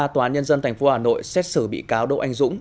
tòa án nhân dân tp hà nội xét xử bị cáo đỗ anh dũng